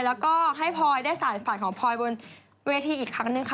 แล้วก็ให้พลอยได้สารฝันของพลอยบนเวทีอีกครั้งหนึ่งค่ะ